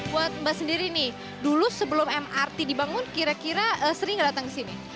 buat mbak sendiri nih dulu sebelum mrt dibangun kira kira sering nggak datang ke sini